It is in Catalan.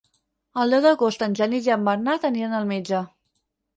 El deu d'agost en Genís i en Bernat aniran al metge.